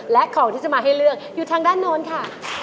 และของที่จะมาให้เลือกอยู่ทางด้านโน้นค่ะ